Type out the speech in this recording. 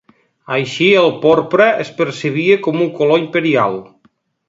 Així, el porpra es percebia com un color imperial.